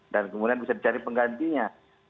dan kemudian bisa dicari penggantinya